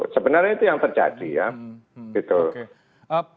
sebenarnya itu yang terjadi ya